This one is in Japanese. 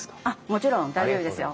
もちろん大丈夫ですよ。